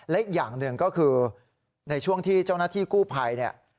และอีกอย่างหนึ่งก็คือในช่วงที่เจ้านักที่กู้ไพร